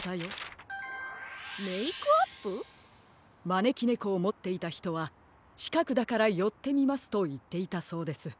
まねきねこをもっていたひとはちかくだからよってみますといっていたそうです。